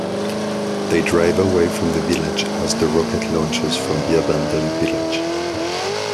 They drive away from the Village as the rocket launches from the abandoned Village.